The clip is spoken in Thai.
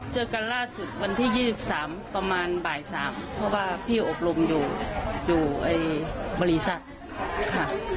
เจอกันล่าสุดวันที่๒๓ประมาณบ่าย๓เพราะว่าพี่อบรมอยู่บริษัทค่ะ